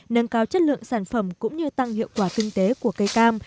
nâng cao chất lượng sản phẩm cũng như tăng hiệu quả kinh tế của cây cam